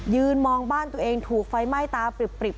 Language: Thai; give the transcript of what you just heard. ยืนมองบ้านตัวเองถูกไฟไหม้ตาปริบ